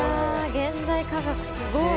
現代科学すごい。